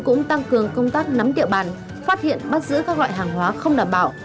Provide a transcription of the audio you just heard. cũng tăng cường công tác nắm địa bàn phát hiện bắt giữ các loại hàng hóa không đảm bảo